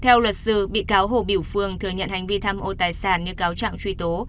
theo luật sư bị cáo hồ biểu phương thừa nhận hành vi tham ô tài sản như cáo trạng truy tố